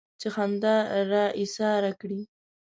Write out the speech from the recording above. چې خندا را ايساره کړي.